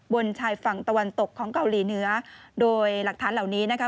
บนชายฝั่งตะวันตกของเกาหลีเหนือโดยหลักฐานเหล่านี้นะคะ